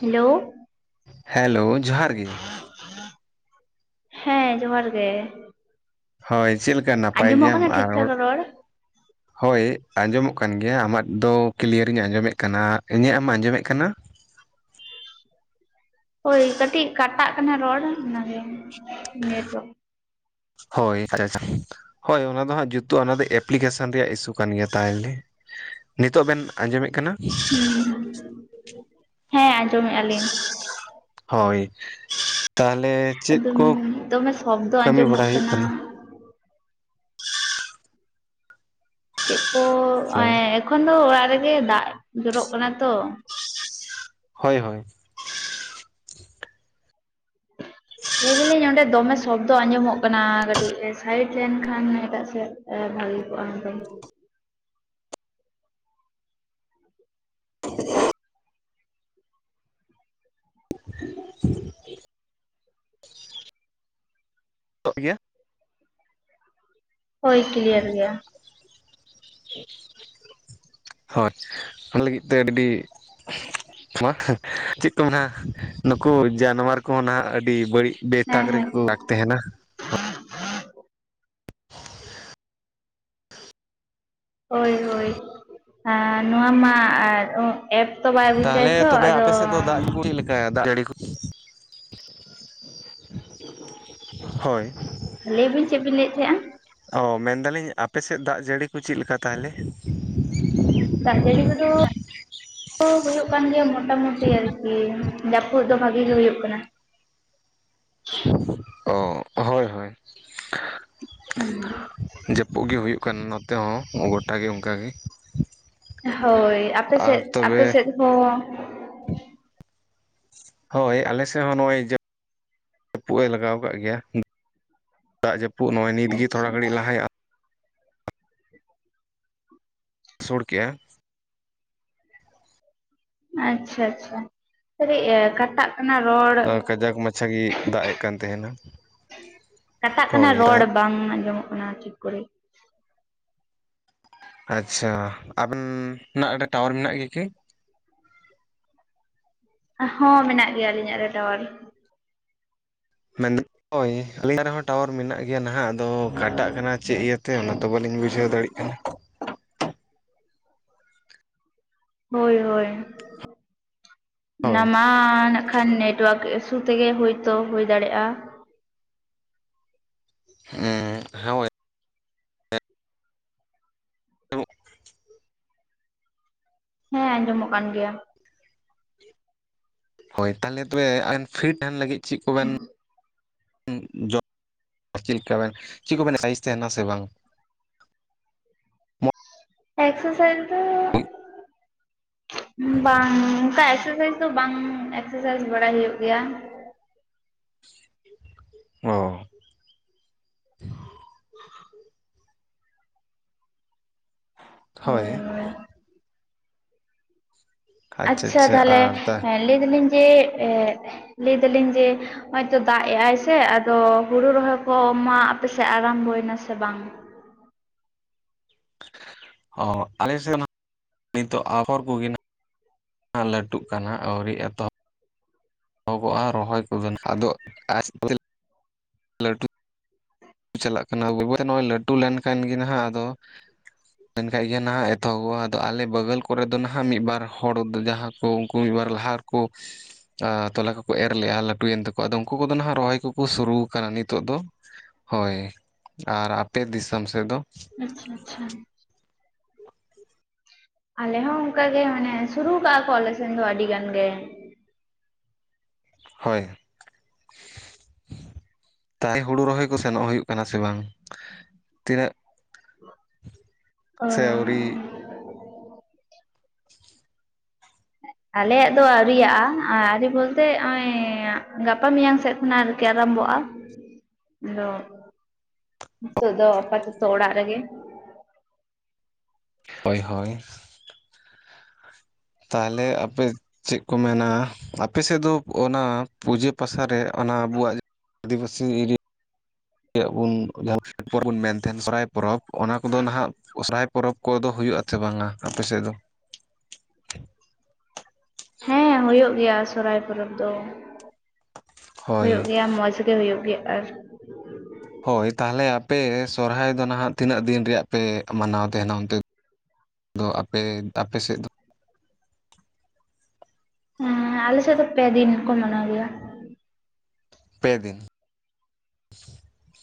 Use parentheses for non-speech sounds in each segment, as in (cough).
Hello hello ᱡᱚᱦᱟᱨ ᱜᱮ, ᱦᱮᱸ ᱡᱚᱦᱟᱨ ᱜᱮ᱾ ᱦᱳᱭ ᱪᱮᱫ ᱞᱮᱠᱟ ᱱᱟᱯᱟᱭ ᱟᱸᱡᱚᱢᱚᱜ ᱜᱮᱭᱟᱢ ᱠᱟᱱᱟ ᱴᱷᱤᱠ ᱟᱨ ᱴᱷᱟᱠ ᱨᱚᱲ, ᱦᱳᱭ ᱟᱸᱡᱚᱢᱚᱜ ᱠᱟᱱ ᱜᱮᱭᱟ ᱟᱢᱟᱜ ᱫᱚ ᱠᱞᱤᱭᱟᱨᱤᱧ ᱟᱸᱡᱚᱢᱮᱜ ᱠᱟᱱᱟ ᱤᱧᱟᱹᱜ ᱮᱢ ᱟᱸᱡᱚᱢᱮᱜ ᱠᱟᱱᱟ᱾ ᱦᱳᱭ ᱠᱟᱹᱴᱤᱡ ᱠᱟᱴᱟᱜ ᱠᱟᱱᱟ ᱨᱚᱲ ᱚᱱᱟᱜᱮ ᱱᱮᱴᱣᱟᱨᱠ, ᱦᱳᱭ (unintelligible) ᱦᱳᱭ ᱚᱱᱟ ᱫᱚ ᱦᱟᱸᱜ ᱡᱩᱛᱩ ᱚᱱᱟ ᱫᱚ ᱮᱯᱞᱤᱠᱮᱥᱚᱱ ᱨᱮᱭᱟᱜ ᱤᱥᱩ ᱠᱟᱱ ᱜᱮᱭᱟ ᱛᱟᱦᱚᱞᱮ᱾ ᱱᱤᱛᱚᱜ ᱵᱮᱱ ᱟᱸᱡᱚᱢᱮᱫ ᱠᱟᱱᱟ, ᱦᱩᱸ ᱦᱮᱸ ᱟᱸᱡᱚᱢᱮᱫᱼᱟ ᱞᱤᱧ᱾ ᱦᱳᱭ ᱛᱟᱦᱞᱮ ᱪᱮᱫ ᱟᱫᱚ ᱠᱚ ᱫᱚᱢᱮ ᱥᱚᱵᱫᱚ ᱠᱟᱹᱢᱤ ᱵᱟᱲᱟ ᱟᱸᱡᱚᱢᱚᱜ ᱦᱩᱭᱩᱜ ᱠᱟᱱᱟ? ᱪᱮᱫ ᱠᱚ ᱦᱮᱞᱳ ᱮᱠᱷᱚᱱ ᱫᱚ ᱚᱲᱟᱜ ᱨᱮᱜᱮ ᱫᱟᱜᱽ ᱡᱚᱨᱚᱜ ᱠᱟᱱᱟ ᱛᱚ᱾ ᱦᱳᱭ ᱦᱳᱭ, ᱞᱟᱹᱭ ᱫᱟᱞᱤᱧ ᱚᱸᱰᱮ ᱫᱚᱢᱮ ᱥᱚᱵᱽᱫᱚ ᱟᱸᱡᱚᱢᱚᱜ ᱠᱟᱱᱟ ᱠᱟᱹᱴᱤᱡ ᱥᱟᱭᱤᱰ ᱞᱮᱱᱠᱷᱟᱱ ᱮᱴᱟᱜ ᱥᱮᱫ ᱵᱷᱟᱜᱤ ᱠᱚᱜᱼᱟ ᱦᱚᱭᱛᱚ᱾ (inaudible) ᱛᱚ ᱤᱭᱟᱹ ᱦᱳᱭ ᱠᱞᱤᱭᱟᱨ ᱜᱮᱭᱟ᱾ ᱦᱳᱭ ᱚᱱᱟ ᱞᱟᱹᱜᱤᱫ ᱛᱮ ᱟᱹᱰᱤ, ᱢᱟ ᱪᱮᱫ ᱠᱚ ᱢᱮᱱᱟ, ᱱᱩᱠᱩ ᱡᱟᱱᱣᱟᱨ ᱠᱚᱦᱚᱸ ᱱᱟᱦᱟᱜ ᱟᱹᱰᱤ ᱵᱟᱹᱲᱤᱡ ᱦᱮᱸ ᱵᱮᱛᱟᱠ ᱦᱮᱸ ᱨᱮᱠᱚ ᱞᱟᱜ ᱛᱟᱦᱮᱱᱟ, ᱦᱳᱭ ᱦᱳᱭ ᱟᱨ ᱱᱚᱣᱟ ᱢᱟ ᱟᱨ ᱚ ᱮᱯ ᱛᱚ ᱵᱟᱭ ᱵᱩᱡᱟᱭ ᱛᱚ ᱟᱫᱚ, ᱦᱮᱸ ᱫᱟᱜ ᱡᱟᱲᱤ ᱠᱩ (inaudible) ᱦᱳᱭ᱾ ᱞᱟᱹᱭᱵᱤᱱ ᱪᱮᱫ ᱵᱤᱱ ᱞᱟᱹᱭᱮᱫ ᱛᱟᱦᱮᱸᱱᱟ, ᱚ ᱢᱮᱱᱫᱟᱞᱤᱧ ᱟᱯᱮᱥᱮᱫ ᱫᱟᱜ ᱡᱟᱹᱲᱤ ᱠᱚ ᱪᱮᱫ ᱞᱮᱠᱟ ᱛᱟᱦᱚᱞᱮ? ᱫᱟᱜᱽ ᱡᱟᱹᱲᱤ ᱠᱚᱫᱚ ᱫᱚ ᱦᱩᱭᱩᱜ ᱠᱟᱱ ᱜᱮᱭᱟ ᱢᱚᱴᱟᱢᱩᱴᱤ ᱟᱨ ᱠᱤ ᱡᱟᱹᱯᱩᱫ ᱫᱚ ᱵᱷᱟᱜᱤ ᱜᱮ ᱦᱩᱭᱩᱜ ᱠᱟᱱᱟ᱾ ᱚ ᱦᱳᱭ ᱦᱳᱭ, ᱦᱮᱸ ᱡᱟᱹᱯᱩᱜᱮ ᱦᱩᱭᱩᱜ ᱠᱟᱱᱟ ᱱᱚᱛᱮ ᱦᱚᱸ ᱜᱚᱴᱟ ᱜᱮ ᱚᱱᱠᱟᱜ ᱜᱮ᱾ ᱦᱳᱭ ᱟᱯᱮ ᱥᱮᱜ ᱟᱨ ᱟᱯᱮ ᱛᱚᱵᱮ ᱥᱮᱜ ᱦᱚᱸ, ᱦᱳᱭ ᱟᱞᱮ ᱥᱮᱫ ᱦᱚᱸ ᱱᱚᱜᱼᱚᱭ ᱡᱟᱹ ᱡᱟᱹᱯᱩᱫ ᱮ ᱞᱟᱜᱟᱣ ᱠᱟᱜ ᱜᱮᱭᱟ᱾ ᱫᱟᱜᱽ ᱡᱟᱹᱯᱩᱫ ᱱᱚᱜᱼᱚᱭ ᱱᱤᱛ ᱜᱮ ᱟᱪᱪᱷᱟ ᱛᱷᱚᱲᱟ ᱜᱷᱟᱹᱲᱤᱡ ᱞᱟᱦᱟᱭᱼᱟ, (inaudible) ᱥᱩᱲ ᱠᱮᱜᱼᱟ᱾ ᱟᱪᱪᱷᱟ ᱟᱪᱪᱷᱟ ᱠᱟᱹᱴᱤᱜ ᱮ ᱠᱟᱴᱟᱜ, ᱚᱱᱟ ᱨᱚᱲ ᱠᱟᱡᱟᱠ ᱢᱟᱪᱷᱟ ᱜᱮᱭ ᱫᱟᱜᱽ ᱮᱜ ᱠᱟᱱ ᱛᱟᱦᱮᱱᱟ᱾ ᱠᱟᱴᱟᱜ ᱠᱟᱱᱟ ᱦᱳᱭ ᱨᱚᱲ ᱵᱟᱝ ᱟᱸᱡᱚᱢᱚᱜ ᱠᱟᱱᱟ ᱴᱷᱤᱠ ᱠᱚ ᱨᱮ, ᱟᱪᱪᱷᱟ ᱟᱵᱮᱱᱻᱱᱟᱜ ᱴᱟᱣᱟᱨ ᱢᱮᱱᱟᱜ ᱜᱮᱭᱟ ᱠᱤ, ᱦᱚᱸ ᱢᱮᱱᱟᱜ ᱜᱮᱭᱟ ᱟᱹᱞᱤᱧ ᱟᱜ ᱨᱮ ᱴᱟᱣᱟᱨ᱾ ᱢᱮᱱ ᱫᱟᱧ ᱦᱚᱭ ᱟᱹᱞᱤᱧ ᱫᱟᱷᱨᱮ ᱦᱚᱸ ᱴᱟᱣᱟᱨ ᱢᱮᱱᱟᱜ ᱜᱮᱭᱟ ᱱᱟᱦᱟᱜ᱾ ᱟᱫᱚ ᱠᱟᱴᱟᱜ ᱠᱟᱱᱟ ᱪᱮᱫ ᱤᱭᱟᱹ ᱛᱮ ᱚᱱᱟ ᱫᱚ ᱵᱟᱹᱞᱤᱧ ᱵᱩᱡᱷᱟᱹᱣ ᱫᱟᱲᱮᱜ ᱠᱟᱱᱟ, ᱦᱳᱭ ᱦᱳᱭ ᱚᱱᱟ ᱦᱳᱭ ᱢᱟ ᱱᱟᱜ ᱠᱷᱟᱱ ᱱᱮᱴ ᱣᱟᱨᱠ ᱮᱥᱩ ᱛᱮᱜᱮ ᱦᱩᱭ ᱛᱚ ᱦᱩᱭ ᱫᱟᱲᱮᱜᱼᱟ᱾ ᱦᱮᱸ ᱦᱳᱭ ᱦᱮᱸ ᱟᱸᱡᱚᱢ ᱚᱜ ᱠᱟᱱ ᱜᱮᱭᱟ᱾ ᱦᱳᱭ ᱛᱟᱦᱞᱮ ᱛᱚᱵᱮ ᱟᱵᱮᱱ ᱯᱷᱤᱴ ᱛᱟᱦᱮᱱ ᱞᱟᱹᱜᱤᱫ ᱪᱮᱫ ᱠᱚ ᱵᱮᱱ (unintelligible) ᱪᱮᱫ ᱞᱮᱠᱟ ᱵᱮᱱ ᱪᱮᱫ ᱠᱚ ᱵᱮᱱ (unintelligible) ᱛᱟᱦᱮᱱᱟ ᱥᱮ ᱵᱟᱝ ᱮᱠᱥᱟᱨ ᱥᱟᱭᱤᱡ ᱫᱚ ᱵᱟᱝ ᱚᱱᱠᱟ ᱮᱠᱥᱟᱨ ᱥᱟᱭᱤᱡ ᱫᱚ ᱵᱟᱝ ᱮᱠᱥᱟᱨ ᱥᱟᱭᱤᱡ ᱵᱟᱲᱟᱭ ᱦᱩᱭᱩᱜ ᱜᱮᱭᱟ᱾ ᱚ ᱦᱳᱭ ᱦᱳᱭ ᱟᱪᱪᱷᱟ ᱛᱟᱦᱞᱮ ᱞᱟᱹᱭ ᱫᱟ ᱞᱤᱧ ᱡᱮ ᱞᱟᱹᱭ ᱫᱟ ᱞᱤᱧ ᱡᱮ ᱦᱚᱭ ᱛᱚ ᱫᱟᱜ ᱮᱜᱟᱭ ᱥᱮ ᱟᱫᱚ ᱦᱳᱲᱳ ᱨᱚᱦᱚᱭ ᱠᱚ ᱢᱟ ᱟᱯᱮ ᱥᱮᱫ ᱟᱨᱟᱢ ᱵᱚᱭ ᱱᱟ ᱥᱮ ᱵᱟᱝ? ᱚ ᱟᱞᱮ ᱥᱮᱫ ᱢᱟ ᱱᱤᱛ ᱦᱚ ᱟᱯᱷᱚᱨ ᱠᱚ ᱦᱩᱭ ᱱᱟ ᱾ ᱞᱟᱹᱴᱩᱜ ᱠᱟᱱᱟ ᱟᱹᱣᱨᱤ ᱮᱛᱚ ᱮᱦᱚᱵᱚᱜᱼᱟ ᱨᱚᱦᱚᱭ ᱠᱚ ᱱᱟᱜ ᱟᱫᱚ (unintelligible) (unintelligible) ᱪᱟᱞᱟᱜ ᱠᱟᱱᱟ ᱵᱟᱹᱭ ᱵᱟᱹᱭ ᱛᱮ ᱞᱟᱹᱴᱩ ᱞᱮᱱ ᱠᱷᱟᱱ ᱜᱮ ᱱᱟᱦᱟᱜ ᱟᱫᱚ (inaudible) ᱞᱮᱱ ᱠᱷᱟᱡ ᱜᱮ ᱱᱟᱦᱟᱜ ᱮᱛᱚᱦᱚᱵ ᱚᱜᱼᱟ᱾ ᱟᱫᱚ ᱟᱞᱮ ᱵᱟᱹᱜᱟᱞ ᱠᱚᱨᱮ ᱫᱚ ᱱᱟᱦᱟᱜ ᱢᱤᱫ ᱵᱟᱨ ᱦᱚᱲ ᱡᱟᱦᱟ ᱠᱚ ᱩᱱᱠᱩ ᱢᱤᱫ ᱵᱟᱨ ᱞᱟᱦᱟ (unintelligible) ᱛᱚᱞᱟ ᱠᱚ ᱠᱚ ᱮᱨ ᱞᱮᱫᱼᱟ᱾ ᱞᱟᱹᱴᱩ ᱭᱮᱱ ᱛᱟᱠᱚ ᱟᱫᱚ ᱩᱱᱠᱩ ᱠᱚ ᱫᱚ ᱱᱟᱦᱟᱜ ᱨᱚᱦᱚᱭ ᱠᱚ ᱠᱚ ᱥᱩᱨᱩ ᱟᱠᱟᱱᱟ ᱱᱤᱛᱚᱜ ᱫᱚ ᱦᱳᱭ ᱟᱨ ᱟᱯᱮ ᱫᱤᱥᱚᱢ ᱥᱮᱫ ᱫᱚ? ᱟᱪᱪᱷᱟ ᱟᱪᱪᱷᱟ ᱟᱞᱮ ᱦᱚᱸ ᱚᱱᱠᱟᱜ ᱜᱮ ᱢᱟᱱᱮ ᱥᱩᱨᱩ ᱠᱟᱜᱼᱟ ᱠᱚ ᱟᱞᱮ ᱥᱮᱱ ᱫᱚ ᱟᱹᱰᱤ ᱜᱟᱱ ᱜᱮ᱾ ᱦᱳᱭ ᱛᱟᱭ ᱦᱩᱲᱩ ᱨᱚᱦᱚᱭ ᱠᱚ ᱥᱮᱱᱚᱜ ᱦᱩᱭᱩᱜ ᱠᱟᱱᱟ ᱥᱮ ᱵᱟᱝ ᱛᱤᱱᱟᱹᱜ (inaudible) ᱥᱮ ᱟᱹᱣᱨᱤ ᱟᱞᱮ ᱭᱟᱜ ᱫᱚ ᱟᱹᱣᱨᱤᱭᱟᱜ-ᱟ ᱟᱹᱨᱤ ᱵᱚᱞ ᱛᱮ ᱦᱚᱜᱼᱚᱭ ᱜᱟᱯᱟ ᱢᱮᱭᱟᱝ ᱥᱮᱫ ᱠᱷᱚᱱᱟᱜ (unintelligible) (unintelligible) ᱟᱨᱟᱢ ᱵᱚᱜᱼᱟ ᱟᱫᱚ ᱱᱤᱛᱚᱜ ᱫᱚ ᱟᱯᱟᱛᱚᱛᱚ ᱚᱲᱟᱜ ᱨᱮ ᱜᱮ᱾ ᱦᱳᱭ ᱦᱳᱭ ᱛᱟᱦᱞᱮ ᱟᱯᱮ ᱪᱮᱫ ᱠᱚ ᱢᱮᱱᱟ ᱟᱯᱮ ᱥᱮᱫ ᱫᱚ ᱚᱱᱟ ᱯᱩᱡᱟᱹ ᱯᱟᱥᱟ ᱨᱮ ᱚᱱᱟ ᱟᱵᱚᱣᱟᱜ ᱟᱫᱤᱵᱟᱹᱥᱤ (unintelligible) ᱡᱟᱦᱟᱸ ᱯᱚᱨᱚᱵ ᱵᱚᱱ ᱢᱮᱱ ᱛᱟᱦᱮᱱᱟ ᱥᱚᱦᱨᱟᱭ ᱯᱚᱨᱚᱵᱽ ᱚᱱᱟ ᱠᱚ ᱫᱚ ᱱᱟᱦᱟᱜ (inaudible) ᱯᱚᱨᱚᱵᱽ ᱠᱚ ᱫᱚ ᱦᱩᱭᱩᱜᱼᱟ ᱥᱮ ᱵᱟᱝ-ᱟ ᱟᱯᱮ ᱥᱮᱫ ᱫᱚ᱾ ᱦᱮᱸ ᱦᱳᱭᱳᱜ ᱜᱮᱭᱟ᱾ ᱥᱚᱨᱦᱟᱭ ᱯᱚᱨᱚᱵᱽ ᱫᱚ ᱦᱳᱭ ᱦᱳᱭᱳᱜ ᱜᱮᱭᱟ᱾ ᱢᱚᱡᱽ ᱛᱮ ᱦᱩᱭᱩᱜ ᱜᱮᱭᱟ ᱟᱨ ᱦᱳᱭ ᱛᱟᱦᱞᱮ ᱟᱯᱮ ᱥᱚᱨᱦᱟᱭ ᱫᱚ ᱱᱟᱸᱜ ᱛᱤᱱᱟᱹᱜ ᱫᱤᱱ ᱨᱮᱭᱟᱜ ᱯᱮ ᱢᱟᱱᱟᱣ ᱛᱟᱦᱮᱱᱟ ᱚᱱᱛᱮ ᱫᱚ ᱫᱚ ᱟᱯᱮ ᱟᱯᱮ ᱥᱮᱫ ᱫᱚ ᱦᱮᱸ ᱟᱞᱮ ᱥᱮᱫ ᱫᱚ ᱯᱮ ᱫᱤᱱ ᱠᱚ ᱢᱟᱱᱟᱣ ᱜᱮᱭᱟ᱾ ᱯᱮ ᱫᱤᱱ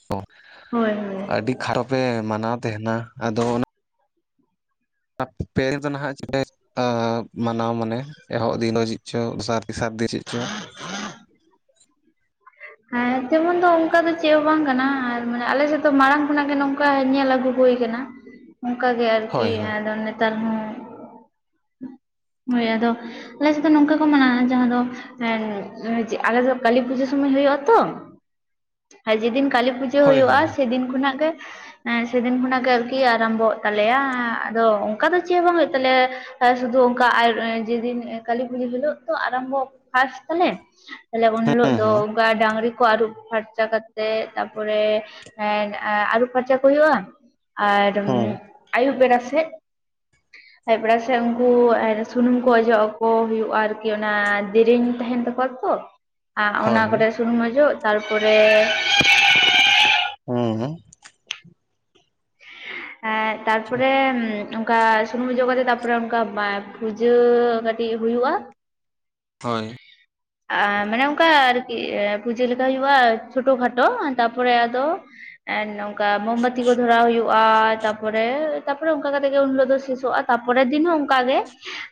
ᱚ ᱦᱳᱭ ᱦᱳᱭ ᱟᱹᱰᱤ ᱠᱷᱟᱨᱟᱯ ᱮ ᱢᱟᱱᱟᱣ ᱛᱟᱦᱮ ᱱᱟ ᱟᱫᱚ ᱯᱮ ᱫᱤᱱ ᱫᱚ ᱱᱟᱦᱟᱜ ᱢᱟᱱᱟᱣ ᱢᱟᱱᱮ ᱮᱦᱚᱵ ᱫᱤᱱ (unintelligible) ᱪᱚ ᱫᱚᱥᱟᱨ ᱛᱮᱥᱟᱨ ᱫᱚ ᱪᱮᱫ ᱪᱚ (inaudible) ᱦᱮᱸ ᱛᱮᱢᱚᱱ ᱫᱚ ᱚᱱᱠᱟ ᱫᱚ ᱪᱮᱫ ᱦᱚᱸ ᱵᱟᱝ ᱠᱟᱱᱟ ᱟᱨ ᱢᱟᱱᱮ ᱟᱞᱮ ᱥᱮᱫ ᱫᱚ ᱢᱟᱲᱟᱝ ᱠᱷᱚᱱᱟᱜ ᱜᱮ ᱱᱚᱝᱠᱟ ᱧᱮᱞ ᱟᱹᱜᱩ ᱦᱳᱭ ᱠᱟᱱᱟ᱾ ᱚᱱᱠᱟ ᱜᱮ ᱟᱨᱠᱤ ᱦᱳᱭ ᱦᱳᱭ ᱟᱫᱚᱼᱼ ᱱᱮᱛᱟᱨ ᱦᱚᱸ ᱦᱳᱭ ᱟᱫᱚ ᱟᱞᱮ ᱥᱮᱫ ᱫᱚ ᱱᱚᱝᱠᱟᱼᱼ ᱢᱟᱱᱟᱣ ᱡᱟᱦᱟᱸ ᱫᱚ ᱟᱞᱮ ᱫᱚ ᱠᱟᱹᱞᱤ ᱯᱩᱡᱟᱹ ᱥᱳᱢᱟᱹᱭ ᱦᱳᱭᱳᱜ-ᱟ ᱛᱚ᱾ ᱟᱨ ᱡᱮᱫᱤᱱ ᱠᱟᱹᱞᱤ ᱯᱩᱡᱟᱹ ᱦᱳᱭ ᱦᱳᱭᱳᱜᱼᱟ ᱦᱳᱭ ᱥᱮᱫᱤᱱ ᱠᱷᱚᱱᱟᱜ ᱜᱮᱼᱼ ᱥᱮᱫᱤᱱ ᱠᱷᱚᱱᱟᱜ ᱜᱮ ᱟᱨᱠᱤ ᱟᱨᱟᱢᱵᱷᱚᱜ ᱛᱟᱞᱮᱭᱟ ᱟᱫᱚ ᱚᱱᱠᱟ ᱫᱚ ᱪᱮᱫ ᱦᱚᱸ ᱵᱟᱝ ᱦᱳᱭᱳᱜ ᱛᱟᱞᱮᱭᱟ᱾ ᱥᱩᱫᱩ ᱚᱱᱠᱟ ᱟᱨ ᱡᱮᱫᱤᱱ ᱠᱟᱹᱞᱤ ᱯᱩᱡᱟᱹ ᱦᱤᱞᱳᱜ᱾ ᱟᱨᱟᱢᱵᱚ ᱯᱷᱟᱥ ᱛᱟᱞᱮ ᱛᱟᱦᱞᱮ ᱩᱱ ᱦᱤᱞᱳᱜ ᱦᱩᱸ ᱫᱚ ᱦᱩᱸ ᱚᱱᱠᱟ ᱰᱟᱺᱝᱨᱤ ᱠᱚ ᱟᱹᱨᱩᱵ ᱯᱷᱟᱨᱼᱼ ᱯᱷᱟᱨᱪᱟ ᱠᱟᱛᱮ ᱛᱟᱨᱯᱚᱨᱮ ᱮ ᱟᱹᱨᱩᱵ ᱯᱷᱟᱨᱪᱟ ᱠᱚ ᱦᱳᱭᱳᱜᱼᱟ᱾ ᱟᱨ ᱦᱩᱸ ᱟᱹᱭᱩᱵ ᱵᱮᱲᱟ ᱥᱮᱫᱼᱼ (unintelligible) ᱥᱮᱫ ᱩᱱᱠᱩ ᱥᱩᱱᱩᱢ ᱠᱚ ᱚᱡᱚᱜ ᱟᱠᱚ ᱦᱩᱭᱩᱜᱼᱟ ᱟᱨᱼᱼ ᱜᱮ ᱚᱱᱟ ᱫᱮᱨᱮᱧ ᱛᱟᱦᱮᱱ ᱛᱟᱠᱚᱣᱟ ᱛᱚ ᱚᱱᱟ ᱦᱳᱭ ᱠᱚᱨᱮᱼᱼ ᱥᱩᱱᱩᱢ ᱚᱡᱚᱜ ᱛᱟᱨ ᱯᱚᱨᱮᱼᱼ ᱦᱩᱸ ᱦᱩᱸ ᱛᱟᱨ ᱯᱚᱨᱮᱼᱼ ᱚᱱᱠᱟ ᱥᱩᱱᱩᱢ ᱚᱡᱚᱜ ᱠᱟᱛᱮ ᱛᱟᱯᱚᱨᱮ ᱚᱱᱠᱟ ᱯᱩᱡᱟᱹ ᱠᱟᱹᱴᱤᱡ ᱦᱩᱭᱩᱜᱼᱟ᱾ ᱦᱳᱭ (unintelligible) ᱟᱨ ᱢᱟᱱᱮ ᱚᱱᱠᱟ ᱟᱨᱠᱤ ᱯᱩᱡᱟᱹ ᱞᱮᱠᱟ ᱦᱩᱭᱩᱜᱼᱟ ᱪᱷᱳᱴᱳ ᱠᱷᱟᱴᱳ ᱛᱟᱨ ᱯᱚᱨᱮ ᱟᱫᱚᱼᱼ ᱮ ᱱᱚᱝᱠᱟ ᱵᱳᱢ ᱵᱟᱹᱛᱤ ᱠᱚ ᱫᱷᱚᱨᱟᱣ ᱦᱩᱭᱩᱜᱼᱟ ᱛᱟᱨ ᱯᱚᱨᱮᱼᱼ ᱛᱟᱯᱚᱨᱮ ᱚᱱᱠᱟ ᱠᱟᱛᱮ ᱜᱮ ᱩᱱ ᱦᱤᱞᱳᱜ ᱫᱚ ᱥᱮᱥᱚᱜᱼᱟ ᱛᱟᱯᱚᱨᱮ ᱫᱤᱱ ᱦᱚᱸ ᱚᱱᱠᱟ ᱜᱮ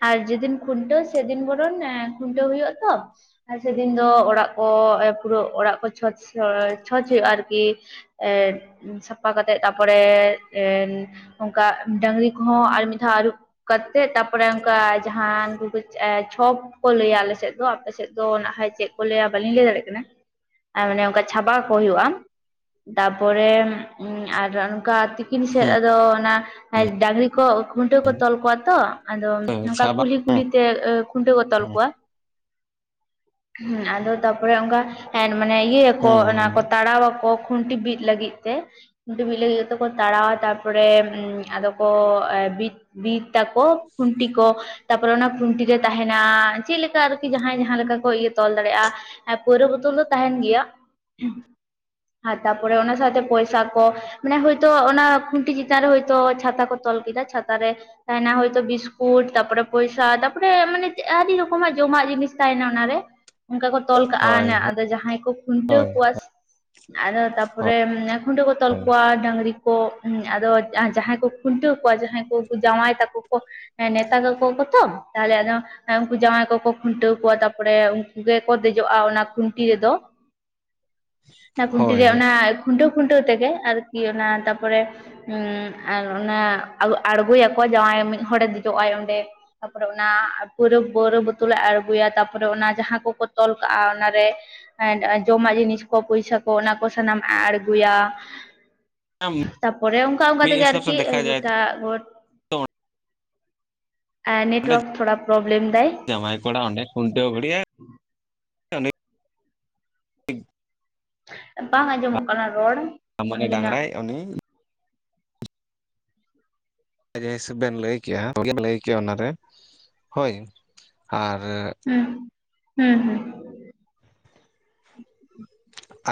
ᱟᱨ ᱡᱮᱫᱤᱱ ᱠᱷᱩᱱᱴᱟᱹᱣ ᱥᱮᱫᱤᱱ ᱵᱚᱨᱚᱱᱼᱼ ᱠᱷᱩᱱᱴᱟᱹᱣ ᱦᱩᱭᱩᱜᱼᱟ ᱛᱚ᱾ ᱟᱨ ᱥᱮᱫᱤᱱ ᱫᱚ ᱚᱲᱟᱜ ᱠᱚ ᱯᱩᱨᱟᱹ ᱚᱲᱟᱜ ᱠᱚ ᱪᱷᱚᱸᱪ ᱪᱷᱚᱸᱪ ᱦᱩᱭᱩᱜᱼᱟ ᱟᱨᱠᱤ, ᱮᱰᱻ ᱥᱟᱯᱷᱟ ᱠᱟᱛᱮ ᱛᱟᱨᱯᱚᱨᱮ ᱚᱝᱠᱟ ᱰᱟᱺᱝᱨᱤ ᱠᱚᱦᱚᱸ ᱟᱨ ᱢᱤᱫ ᱫᱷᱟᱣ ᱟᱹᱨᱩᱵᱼᱼ ᱠᱟᱛᱮᱫ ᱛᱟᱯᱚᱨᱮ ᱚᱱᱠᱟ ᱡᱟᱦᱟᱸ ᱠᱚ ᱪᱷᱚᱯᱼᱼ ᱠᱚ ᱞᱟᱹᱭᱟ ᱟᱞᱮ ᱥᱮᱫ ᱫᱚ ᱟᱯᱮ ᱥᱮᱫ ᱫᱚ ᱱᱟᱦᱟᱡ ᱠᱷᱟᱱ ᱪᱮᱫ ᱠᱚ ᱞᱟᱹᱭᱟ ᱵᱟᱞᱤᱧ ᱞᱟᱹᱭ ᱫᱟᱲᱮᱭᱟᱜ ᱠᱟᱱᱟ᱾ ᱟᱨ ᱢᱟᱱᱮ ᱚᱱᱠᱟ ᱪᱷᱟᱵᱟᱣ ᱠᱚ ᱦᱩᱭᱩᱜᱼᱟ ᱛᱟᱯᱚᱨᱮ ᱟᱨ ᱚᱱᱠᱟᱼᱼ ᱛᱤᱠᱤᱱ ᱥᱮᱫ ᱟᱫᱚ ᱚᱱᱟ ᱰᱟᱺᱝᱨᱤ ᱠᱚ ᱠᱷᱩᱱᱴᱟᱹᱣ ᱠᱚ ᱦᱩᱸ ᱛᱚᱞ ᱠᱚᱣᱟ ᱛᱚ᱾ ᱟᱫᱚ ᱦᱳᱭ ᱱᱚᱝᱠᱟ ᱟᱪᱪᱷᱟ ᱵᱟᱝ ᱠᱩᱞᱦᱤ ᱠᱩᱞᱦᱤ ᱛᱮ ᱠᱷᱩᱱᱴᱟᱹᱣ ᱛᱚᱞ᱾ ᱦᱩᱸ ᱠᱚᱣᱟ ᱟᱫᱚ ᱛᱟᱯᱚᱨᱮ ᱚᱱᱠᱟ ᱢᱟᱱᱮ ᱤᱭᱟᱹᱭᱟᱠᱚ ᱦᱩᱸ ᱚᱱᱟ ᱠᱚᱼᱼ ᱛᱟᱲᱟᱣ ᱟᱠᱚ ᱠᱷᱩᱱᱴᱤ ᱵᱤᱫ ᱞᱟᱹᱜᱤᱫ ᱛᱮ ᱾ ᱠᱷᱩᱱᱴᱤ ᱵᱤᱫ ᱞᱟᱹᱜᱤᱫ ᱛᱮ ᱠᱚ ᱛᱟᱲᱟᱣ-ᱟ ᱛᱟᱨ ᱯᱚᱨᱮ ᱟᱫᱚ ᱠᱚ ᱵᱤᱫᱼᱼ ᱵᱤᱫ ᱛᱟᱠᱚ ᱠᱷᱩᱱᱴᱤ ᱠᱚ ᱛᱟᱯᱚᱨᱮ ᱚᱱᱟ ᱠᱷᱩᱱᱴᱤ ᱜᱮ ᱛᱟᱦᱮᱱᱟ᱾ ᱪᱮᱫ ᱞᱮᱠᱟ ᱟᱨᱠᱤ ᱡᱟᱦᱟᱸᱭ ᱡᱟᱦᱟᱸ ᱞᱮᱠᱟ ᱠᱚ ᱤᱭᱟᱹ ᱛᱚᱞ ᱫᱟᱲᱮᱭᱟᱜᱼᱟ ᱯᱳᱭᱨᱳ ᱵᱳᱛᱚᱞ ᱫᱚ ᱛᱟᱦᱮᱸᱱ ᱜᱮᱭᱟ᱾ ᱦᱩᱸ ᱟᱨ ᱛᱟᱯᱚᱨᱮ ᱚᱱᱟ ᱥᱟᱶᱛᱮ ᱯᱚᱭᱥᱟ ᱠᱚ ᱢᱟᱱᱮ ᱦᱳᱭᱛᱳ ᱚᱱᱟ ᱠᱷᱩᱱᱴᱤ ᱪᱮᱛᱟᱱ ᱨᱮ ᱦᱳᱭᱛᱚ ᱪᱷᱟᱛᱟ ᱠᱚᱼᱼ ᱛᱚᱞ ᱠᱮᱫᱟ ᱪᱷᱟᱛᱟ ᱨᱮ ᱛᱟᱦᱮᱸᱱᱟ ᱦᱚᱭᱛᱳ ᱵᱤᱥᱠᱩᱴ ᱛᱟᱯᱚᱨᱮ ᱯᱚᱭᱥᱟ ᱛᱟᱯᱚᱨᱮ ᱢᱟᱱᱮ ᱟᱹᱰᱤ ᱨᱚᱠᱚᱢᱼᱼ ᱨᱚᱠᱚᱢᱟᱜ ᱡᱚᱢᱟᱜ ᱡᱤᱱᱤᱥ ᱛᱟᱦᱮᱸᱱᱟ ᱚᱱᱟᱨᱮ᱾ ᱚᱱᱠᱟ ᱠᱚ ᱛᱚᱞ ᱦᱳᱭ ᱠᱟᱜᱼᱟ ᱟᱫᱚ ᱡᱟᱦᱟᱸᱭ ᱠᱚ ᱠᱷᱩᱱᱴᱟᱹᱣ ᱦᱳᱭ ᱠᱚᱣᱟ ᱟᱫᱚ ᱛᱟᱯᱚᱨᱮ, ᱠᱷᱩᱱᱴᱟᱹᱣ ᱠᱚ ᱛᱚᱞ ᱦᱳᱭ ᱠᱚᱣᱟ ᱰᱟᱝᱨᱤ᱾ ᱠᱚ ᱟᱫᱚ ᱡᱟᱦᱟᱸᱭ ᱠᱚ ᱠᱷᱩᱱᱴᱟᱹᱣ ᱠᱚᱣᱟ ᱡᱟᱦᱟᱸᱭ ᱠᱚ ᱡᱟᱶᱟᱭ ᱛᱟᱠᱚ ᱠᱚ, ᱦᱮᱹ ᱱᱮᱣᱛᱟ ᱠᱟᱠᱚ ᱠᱚ ᱛᱚ ᱛᱟᱦᱞᱮ ᱟᱫᱚ ᱩᱱᱠᱩ ᱡᱟᱶᱟᱭᱼᱼ ᱠᱚ ᱠᱚ ᱠᱷᱩᱱᱴᱟᱹᱣ ᱠᱚᱣᱟ ᱛᱟᱯᱚᱨᱮ ᱩᱱᱠᱩ ᱜᱮᱠᱚ ᱫᱮᱡᱚᱜᱼᱟ ᱚᱱᱟ ᱠᱷᱩᱱᱴᱤ ᱨᱮᱫᱚ᱾ ᱚᱱᱟ ᱠᱷᱩᱱᱴᱤ ᱦᱳᱭ ᱨᱮᱭᱟᱜ ᱚᱱᱟ ᱠᱷᱩᱱᱴᱟᱹᱣ ᱠᱷᱩᱱᱴᱟᱹᱣ ᱛᱮ ᱜᱮ ᱟᱨᱠᱤ ᱚᱱᱟ ᱛᱟᱯᱚ ᱨᱮ᱾ ᱦᱩᱸ ᱟᱨ ᱚᱱᱟ ᱟᱬᱜᱚᱭ ᱟᱠᱚ ᱡᱟᱶᱟᱭ ᱢᱤᱫ ᱦᱚᱲᱮ ᱫᱮᱡᱚᱜᱼᱟᱭ ᱚᱸᱰᱮ ᱛᱟᱯᱚ ᱨᱮ ᱚᱱᱟ ᱯᱟᱣᱨᱟᱹ ᱵᱳᱛᱳᱞ ᱛᱳᱞᱮ ᱟᱬᱜᱚᱭᱟ ᱛᱟᱯᱚᱨᱮ ᱚᱱᱟ ᱡᱟᱦᱟᱸ ᱠᱚ ᱠᱚ ᱛᱚᱞ ᱠᱟᱜᱼᱟ ᱚᱱᱟ ᱨᱮ ᱡᱚᱢᱟᱜ ᱡᱤᱱᱤᱥ ᱠᱚ ᱯᱚᱭᱥᱟ ᱠᱚ ᱚᱱᱟ ᱠᱚ ᱥᱟᱱᱟᱢ ᱟᱜ ᱟᱬᱜᱩᱭᱟ᱾ ᱛᱟᱯᱚᱨᱮ ᱚᱱᱠᱟ ᱚᱱᱠᱟ ᱛᱮ ᱢᱤᱫ ᱜᱮ ᱦᱤᱥᱟᱹᱵ ᱥᱮ ᱟᱨᱠᱤ ᱫᱮᱠᱷᱟ ᱡᱟᱭ ᱜᱚᱴᱟ ᱜᱚᱴ ᱛᱚ ᱟᱨ ᱱᱮᱴᱣᱚᱨᱠ ᱛᱷᱚᱲᱟ ᱯᱨᱚᱵᱞᱮᱢ ᱫᱟᱭ᱾ ᱡᱟᱢᱟᱭ ᱠᱚᱲᱟ ᱚᱸᱰᱮ ᱠᱷᱩᱱᱴᱟᱹᱣ (unintelligible) (inaudible) ᱩᱱᱤ ᱵᱟᱝ ᱟᱸᱡᱚ ᱢᱚᱜ ᱠᱟᱱᱟ᱾ ᱨᱚᱲ ᱢᱟᱱᱮ ᱟᱵᱤᱱᱟᱜ ᱰᱟᱝᱨᱟᱭ ᱩᱱᱤ ᱡᱮ ᱦᱤᱥᱟᱹᱵ ᱵᱮᱱ ᱞᱟᱹᱭ ᱠᱮᱜ-ᱟ ᱵᱮ ᱞᱟᱹᱭ ᱠᱮᱭᱟ ᱚᱱᱟᱨᱮ ᱦᱳᱭ ᱟᱨ ᱦᱩᱸ ᱦᱩᱸ ᱦᱩᱸ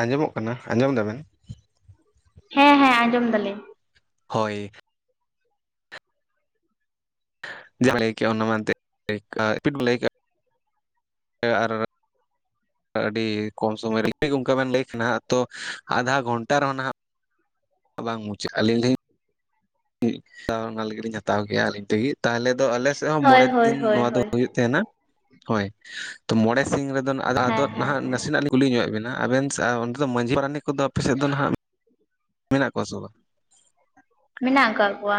ᱟᱸᱡᱚᱢ ᱚᱜ ᱠᱟᱱᱟ ᱟᱸᱡᱚᱢ ᱫᱟᱵᱮᱱ ᱦᱮᱸ ᱦᱮᱸ ᱟᱸᱡᱚᱢ ᱫᱟᱞᱤᱧ ᱦᱳᱭ ᱡᱟᱦᱟ ᱞᱟᱹᱭ ᱠᱮᱜ ᱟ ᱚᱱᱟ ᱮᱱᱛᱮ ᱨᱤᱯᱤᱴ ᱵᱚ ᱞᱟᱹᱭ ᱠᱟᱜ ᱟ ᱟᱨ ᱟᱹᱰᱤ ᱠᱚᱢ ᱥᱚᱢᱚᱭ ᱨᱮ ᱚᱱᱠᱟ ᱵᱮᱱ ᱞᱟᱹᱭ ᱠᱟᱱᱟᱜ ᱛᱚ ᱟᱫᱷᱟ ᱜᱷᱚᱱᱴᱟ ᱨᱮ ᱦᱚᱸ ᱱᱟᱜ ᱵᱟᱝ ᱢᱩᱪᱟᱹᱫ ᱟᱞᱤᱧ ᱞᱤᱧ ᱢᱤᱫ ᱠᱷᱟᱢ ᱚᱱᱟ ᱞᱟᱹᱜᱤᱫ ᱞᱤᱧ ᱦᱟᱛᱟᱣ ᱜᱮᱭᱟ᱾ ᱟᱞᱤᱧ ᱞᱟᱹᱜᱤᱫ ᱛᱟᱦᱚᱞᱮ ᱫᱚ ᱟᱞᱮ ᱥᱮᱫ ᱦᱚᱸ ᱦᱳᱭ ᱢᱚᱬᱮ ᱦᱳᱭ ᱫᱤᱱ ᱦᱳᱭ ᱱᱚᱣᱟ ᱫᱚ ᱦᱳᱭ ᱦᱩᱭᱩᱜ ᱛᱟᱦᱮᱸᱱᱟ᱾ ᱦᱳᱭ ᱛᱚ ᱢᱚᱬᱮ ᱥᱤᱧ ᱨᱮ ᱫᱚ ᱦᱮᱸ ᱟᱫᱚᱜ ᱦᱮᱸ ᱦᱟᱸᱜ ᱦᱮᱸ ᱱᱟᱥᱮ ᱱᱟᱜ ᱞᱤᱧ ᱠᱩᱞᱤ ᱧᱚᱜ ᱮᱫ ᱵᱮᱱᱟ ᱟᱵᱮᱱ ᱥᱮ ᱚᱸᱰᱮ ᱫᱚ ᱢᱟᱹᱡᱷᱤ ᱯᱟᱨᱟᱱᱤᱠ ᱠᱚᱫᱚ ᱟᱯᱮ ᱥᱮᱫ ᱫᱚ ᱦᱟᱸᱜ ᱢᱮᱱᱟᱜ ᱠᱚᱣᱟ ᱥᱮ ᱵᱟᱝ? ᱢᱮᱱᱟᱜ ᱠᱟᱜ ᱠᱚᱣᱟ᱾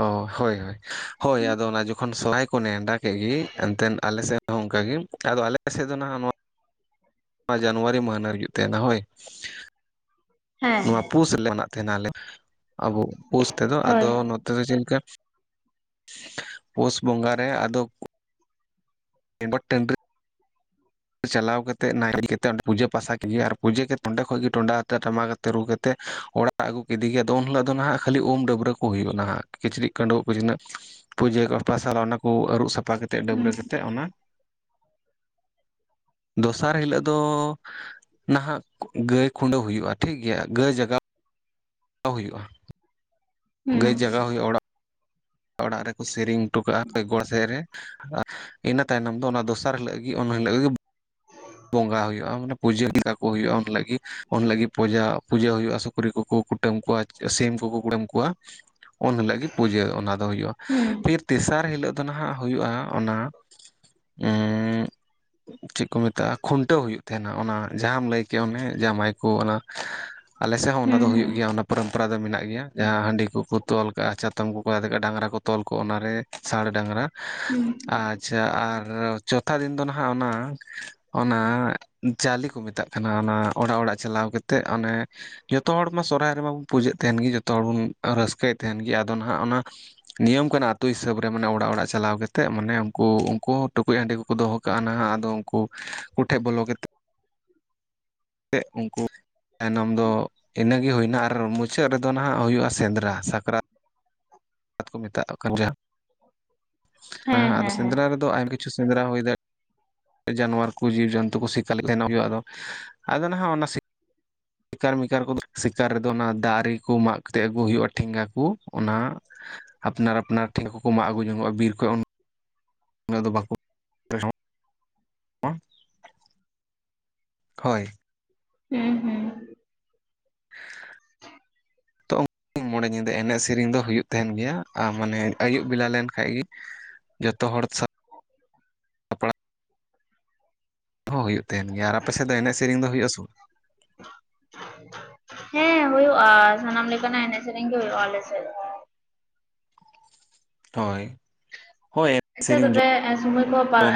ᱚ ᱦᱳᱭ ᱦᱳᱭ ᱦᱳᱭ ᱟᱫᱚ ᱚᱱᱟ ᱡᱚ ᱠᱷᱚᱱ ᱥᱮᱞᱟᱭ ᱠᱚ ᱱᱮᱰᱟ ᱠᱮᱫ ᱜᱮ ᱮᱱᱛᱮᱱ ᱟᱞᱮ ᱥᱮᱫ ᱦᱚᱸ ᱚᱱᱠᱟᱜ ᱜᱮ ᱟᱫᱚ ᱟᱞᱮ ᱥᱮᱫ ᱫᱚ ᱱᱟᱦᱟᱜ ᱱᱚᱣᱟ ᱱᱚᱣᱟ ᱡᱟᱱᱩᱣᱟᱨᱤ ᱢᱟᱹᱦᱱᱟ ᱨᱮ ᱦᱩᱭᱩᱜ ᱛᱟᱦᱮᱱᱟ᱾ ᱦᱳᱭ ᱦᱮᱸ ᱱᱚᱣᱟ ᱯᱩᱥ ᱨᱮᱞᱮ ᱢᱟᱱᱟᱜ ᱛᱟᱦᱮᱱᱟ ᱟᱞᱮ ᱟᱵᱚ ᱯᱩᱥ ᱛᱮ ᱫᱚ ᱦᱳᱭ ᱟᱫᱚ ᱱᱚᱛᱮ ᱫᱚ ᱪᱮᱫ ᱞᱮᱠᱟ ᱯᱳᱥ ᱵᱚᱸᱜᱟ ᱨᱮ ᱟᱫᱚ ᱮᱱᱵᱟᱛ ᱴᱟᱹᱰᱤ ᱪᱟᱞᱟᱣ ᱠᱟᱛᱮ ᱱᱟᱭᱮ ᱠᱟᱛᱮ ᱚᱸᱰᱮ ᱯᱩᱡᱟᱹ ᱯᱟᱥᱟ ᱠᱮᱫ ᱟᱨ ᱯᱩᱡᱟᱹ ᱠᱟᱛᱮᱫ ᱚᱸᱰᱮ ᱠᱷᱚᱱᱚᱡ ᱜᱮ ᱴᱚᱸᱰᱟ ᱠᱟᱛᱮ ᱴᱟᱢᱟᱠ ᱠᱟᱛᱮ ᱨᱩ ᱠᱟᱛᱮ ᱚᱲᱟᱜ ᱚᱲᱟᱜ ᱠᱚ ᱠᱮᱫᱮ ᱭᱟ ᱟᱫᱚ ᱩᱱ ᱦᱤᱞᱳᱜ ᱫᱚ ᱱᱟᱦᱟᱜ ᱠᱷᱟᱹᱞᱤ ᱩᱢ ᱰᱟᱹᱵᱽᱨᱟᱹ ᱠᱚ ᱦᱩᱭᱩᱜᱼᱟ ᱱᱟᱦᱟᱜ ᱠᱤᱪᱨᱤᱡ ᱠᱷᱟᱹᱰᱩ ᱣᱟᱜ ᱪᱤᱱᱟᱜ ᱯᱩᱡᱟᱹ ᱠᱚᱯᱟ ᱥᱟᱞᱟᱜ ᱚᱱᱟ ᱠᱚ ᱟᱹᱨᱩᱵ ᱥᱟᱯᱷᱟ ᱠᱟᱛᱮᱫ ᱰᱟᱹᱵᱽᱨᱟᱹ ᱦᱩᱸ ᱠᱟᱛᱮᱫ ᱚᱱᱟ ᱫᱚᱥᱟᱨ ᱦᱤᱞᱟᱹᱜ ᱫᱚ ᱱᱟᱦᱟᱜ ᱜᱟᱹᱭ ᱠᱷᱩᱰᱟᱹᱣ ᱦᱩᱭᱩᱜᱼᱟ ᱴᱷᱤᱠ ᱜᱮᱭᱟ ᱜᱟᱹᱭ ᱡᱟᱜᱟᱣ ᱦᱟᱛᱟᱣ ᱦᱩᱭᱩᱜᱼᱟ᱾ ᱦᱩᱸ ᱜᱟᱹᱭ ᱡᱟᱜᱟᱣ ᱦᱩᱭᱩᱜᱼᱟ ᱚᱲᱟᱜ ᱚᱲᱟᱜ ᱨᱮ ᱠᱚ ᱥᱮᱨᱮᱧ ᱦᱚᱴᱚ ᱠᱟᱜᱼᱟ ᱯᱮᱜᱚᱲ ᱥᱮᱫ ᱨᱮ ᱤᱱᱟᱹ ᱛᱟᱭ ᱱᱚᱢ ᱫᱚ ᱚᱱᱟ ᱫᱚᱥᱟᱨ ᱦᱤᱞᱳᱜ ᱜᱮ ᱩᱱ ᱦᱤᱞᱳᱜ ᱜᱮ ᱵᱚᱸᱜᱟ ᱦᱩᱭᱩᱜᱼᱟ ᱢᱟᱱᱮ ᱯᱩᱡᱟᱹ ᱞᱮᱠᱟ ᱠᱚ ᱦᱩᱭᱩᱜᱼᱟ ᱤᱱ ᱦᱤᱞᱚᱜ ᱜᱮ ᱤᱱ ᱦᱤᱞᱚᱜ ᱜᱮ ᱯᱚᱡᱟ ᱯᱩᱡᱟᱹ ᱦᱩᱭᱩᱜᱼᱟ ᱥᱩᱠᱨᱤ ᱠᱚ ᱠᱚ ᱠᱩᱴᱟᱹᱢ ᱠᱚᱣᱟ ᱥᱤᱢ ᱠᱚ ᱠᱚ ᱠᱩᱴᱟᱹᱢ ᱠᱚᱣᱟ᱾ ᱩᱱ ᱦᱤᱞᱳᱜ ᱜᱮ ᱯᱩᱡᱟᱹ ᱚᱱᱟ ᱫᱚ ᱦᱩᱭᱩᱜᱼᱟ ᱦᱩᱸ ᱯᱷᱤᱨ ᱛᱮᱥᱟᱨ ᱦᱤᱞᱳᱜ ᱫᱚ᱾ (unintelligible) ᱱᱟᱦᱟᱜ ᱦᱩᱭᱩᱜᱼᱟ᱾ᱚᱱᱟ ᱪᱮᱫ ᱠᱚ ᱢᱮᱛᱟᱜᱼᱟ? ᱠᱷᱩᱱᱴᱟᱹᱣ ᱦᱩᱭᱩᱜ ᱛᱟᱦᱮᱱᱟ ᱚᱱᱟ ᱡᱟᱦᱟᱢ ᱞᱟᱹᱭ ᱠᱮᱜ ᱚᱱᱮ ᱡᱟᱶᱟᱭ ᱠᱚ ᱚᱱᱟ᱾ ᱟᱞᱮ ᱥᱮᱫ ᱦᱚᱸ ᱚᱱᱟ ᱦᱩᱸ ᱫᱚ ᱦᱩᱭᱩᱜ ᱦᱩᱸ ᱜᱮᱭᱟ ᱚᱱᱟ ᱯᱟᱹᱨᱟᱹᱢᱯᱟᱨᱟ ᱫᱚ ᱢᱮᱱᱟᱜ ᱜᱮᱭᱟ ᱡᱟᱦᱟᱸ ᱦᱟᱺᱰᱤ ᱠᱚ ᱠᱚ ᱛᱚᱞ ᱠᱟᱜᱼᱟ ᱪᱟᱛᱚᱢ ᱠᱚ ᱠᱚ ᱞᱟᱫᱮ ᱠᱟᱜ-ᱟ᱾ ᱰᱟᱝᱨᱟ ᱠᱚ (unintelligible) ᱛᱚᱞ ᱠᱚᱜ ᱚᱱᱟ ᱨᱮ ᱥᱟᱬ ᱰᱟᱝᱨᱟ᱾ ᱦᱩᱸ ᱟᱪᱷᱟ ᱟᱨ ᱪᱳᱛᱷᱟ ᱫᱤᱱ ᱫᱚ ᱱᱟᱦᱟᱸᱜ ᱚᱱᱟ᱾ ᱚᱱᱟ ᱡᱟᱞᱤ ᱠᱚ ᱢᱮᱛᱟᱜ ᱛᱟᱦᱮᱱᱟ ᱚᱱᱟ ᱚᱲᱟᱜ ᱚᱲᱟᱜ ᱪᱟᱞᱟᱣ ᱠᱟᱛᱮᱜ ᱚᱱᱮ᱾ ᱡᱚᱛᱚ ᱦᱚᱲ ᱢᱟ ᱥᱚᱨᱦᱟᱭ ᱨᱮᱢᱟ ᱵᱚᱱ ᱯᱩᱡᱟᱹᱜ ᱛᱮᱦᱮᱱ ᱜᱮ ᱡᱚᱛᱚ ᱦᱚᱲ ᱵᱚᱱ ᱨᱟᱹᱥᱠᱟᱹᱭ ᱛᱮᱦᱮᱱ ᱜᱮ ᱟᱫᱚ ᱱᱟᱦᱟᱜ ᱚᱱᱟ᱾ ᱱᱤᱭᱚᱢ ᱠᱟᱱᱟ ᱟᱛᱩ ᱦᱤᱥᱟᱹᱵᱽ ᱨᱮ ᱢᱟᱱᱮ ᱚᱲᱟᱜ ᱚᱲᱟᱜ᱾ ᱪᱟᱞᱟᱣ ᱠᱟᱛᱮᱫ ᱢᱟᱱᱮ ᱩᱱᱠᱩ ᱩᱱᱠᱩ ᱦᱚᱸ ᱴᱩᱠᱩᱡ ᱦᱟᱺᱰᱤ ᱠᱚ ᱠᱚ ᱫᱚᱦᱚ ᱠᱟᱜᱼᱟ ᱱᱟᱦᱟᱸᱜ ᱟᱫᱚ ᱩᱱᱠᱩ ᱠᱩ ᱴᱷᱮᱡ ᱵᱚᱞᱚ ᱠᱟᱛ (unintelligible) ᱩᱱᱠᱩ ᱛᱟᱭᱱᱚᱢ ᱫᱚ ᱤᱱᱟᱹ ᱜᱮ ᱦᱩᱭᱱᱟ ᱟᱨ ᱢᱩᱪᱟᱹᱫ ᱨᱮᱫᱚ ᱱᱟᱦᱟᱸᱜ ᱦᱩᱭᱩᱜᱼᱟ ᱥᱮᱸᱫᱽᱨᱟ, ᱥᱟᱠᱨᱟᱛ᱾ (unintelligible) ᱦᱮᱸ ᱟᱫᱚ ᱥᱮᱸᱫᱽᱨᱟ ᱨᱮᱫᱚ (unintelligible) ᱠᱤᱪᱷᱩ ᱥᱮᱸᱫᱽᱨᱟ ᱦᱩᱭ (unintelligible) ᱡᱟᱱᱣᱟᱨ ᱠᱚ ᱡᱤᱵᱽᱼᱡᱟᱱᱛᱩ ᱠᱚ ᱥᱤᱠᱟ ᱞᱮᱠᱟ ᱦᱩᱭᱩᱜᱼᱟ ᱟᱫᱚ ᱟᱫᱚᱱ ᱱᱟᱦᱟᱸᱜ ᱚᱱᱟ ᱥᱤ᱾ ᱥᱮᱠᱟᱨ ᱢᱮᱠᱟᱨ ᱠᱚ ᱫᱚ ᱥᱮᱠᱟᱨ ᱨᱮ‌ᱫᱚ ᱚᱱᱟ ᱫᱟᱨᱮ ᱠᱚ ᱢᱟᱜ ᱠᱟᱛᱮᱜ ᱟᱹᱜᱩ ᱦᱩᱭᱩᱜᱼᱟ ᱴᱷᱮᱝᱜᱟ ᱠᱚ ᱚᱱᱟ᱾ ᱟᱯᱱᱟᱨ ᱟᱯᱱᱟᱨ ᱴᱷᱮᱱᱜᱟ ᱠᱚ ᱠᱚ ᱢᱟᱜ ᱟᱹᱜᱩ ᱡᱚᱸᱜᱼᱟ ᱵᱤᱨ ᱠᱷᱚᱡ ᱚᱱᱟ᱾ ᱟᱫᱚ ᱵᱟᱠᱚ (unintelligible) ᱦᱳᱭ ᱦᱩᱸ ᱦᱩᱸ (unintelligible) ᱛᱚ ᱢᱚᱬᱮ ᱧᱤᱫᱟᱹ ᱮᱱᱮᱡ ᱥᱮᱨᱮᱧ ᱫᱚ ᱦᱩᱭᱩᱜ ᱛᱮᱦᱮᱱ ᱜᱮᱭᱟ ᱟᱨ ᱢᱟᱱᱮ ᱟᱹᱭᱩᱵ ᱵᱮᱞᱟ ᱞᱮᱱ ᱠᱷᱟᱡ ᱜᱤ᱾ ᱡᱚᱛᱚ ᱦᱚᱲ ᱥᱟᱜ ᱦᱚᱸ ᱦᱩᱭᱩᱜ ᱛᱮᱦᱮᱱ ᱜᱮᱭᱟ ᱟᱨ ᱟᱯᱮ ᱥᱮᱫ ᱫᱚ ᱮᱱᱮᱡ ᱥᱮᱨᱮᱧ ᱫᱚ ᱦᱩᱭᱩᱜᱼᱟ ᱵᱟ ᱦᱮᱸ ᱦᱩᱭᱩᱜᱼᱟ ᱥᱟᱱᱟᱢ ᱞᱮᱠᱟ ᱱᱟᱜ ᱮᱱᱮᱡ ᱥᱮᱨᱮᱧ ᱜᱮ ᱦᱩᱭᱩᱜᱼᱟ ᱟᱞᱮ ᱥᱮᱫ ᱦᱚᱸ᱾ ᱦᱳᱭ ᱦᱳᱭ ᱮᱱᱮᱡ ᱟᱪᱷᱟ ᱥᱮᱨᱮᱧ ᱛᱚᱵᱮ ᱟᱨ ᱥᱚᱢᱚᱭ ᱠᱚ (unintelligible) ᱡᱚᱢ